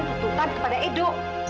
keputusan kepada edo